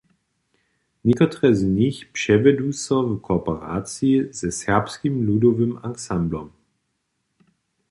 Někotre z nich přewjedu so w kooperaciji ze Serbskim ludowym ansamblom.